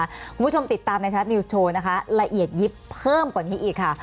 คุณผู้ชมติดตามในไทยรัฐนิวส์โชว์นะคะละเอียดยิบเพิ่มกว่านี้อีกค่ะ